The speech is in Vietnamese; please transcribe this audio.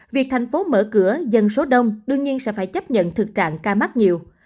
việc thành phố mở cửa dân số đông đương nhiên sẽ phải chấp nhận thực trạng ca mắc nhiều